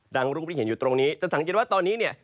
รูปที่เห็นอยู่ตรงนี้จะสังเกตว่าตอนนี้เนี่ย